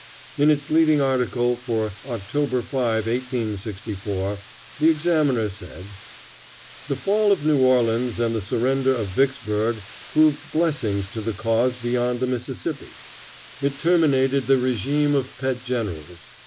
In its leading article for October 5, 1864, the Examiner said: "The fall of New Orleans and the surrender of Vicksburg proved blessings to the cause beyond the Mississippi. It terminated the régime of pet generals.